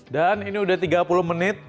dan ini udah tiga puluh menit